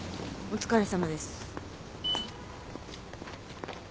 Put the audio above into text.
お疲れさまです。